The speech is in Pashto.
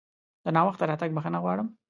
د ناوخته راتګ بښنه غواړم!